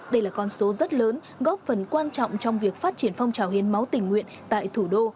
đây là con số rất lớn góp phần quan trọng trong việc phát triển phong trào hiến máu tình nguyện tại thủ đô